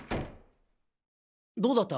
どうだった？